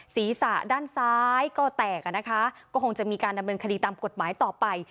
ศีรษะด้านซ้ายก็แตกอ่ะนะคะก็คงจะมีการดำเนินคดีตามกฎหมายต่อไป